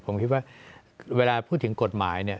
ผมคิดว่าเวลาพูดถึงกฎหมายเนี่ย